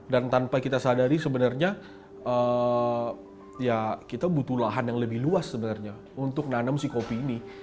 dan tanpa kita sadari sebenarnya ya kita butuh lahan yang lebih luas sebenarnya untuk nanam si kopi ini